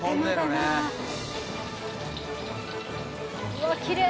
うわきれい！